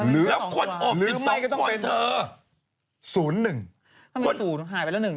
แล้วคนอบ๑๒คนเธอ